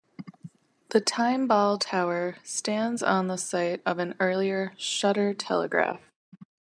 The Timeball Tower stands on the site of an earlier "Shutter Telegraph".